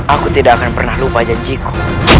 aku tidak akan pernah lupa janjiku